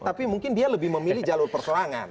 tapi mungkin dia lebih memilih jalur perserangan